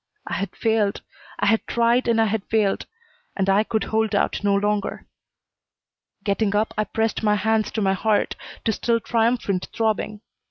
I had failed. I had tried, and I had failed, and I could hold out no longer. Getting up, I pressed my hands to my heart to still triumphant throbbing.